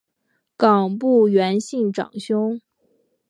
冈部元信长兄。